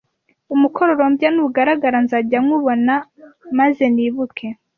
Umukororombya nugaragara nzajya nywubona maze nibuke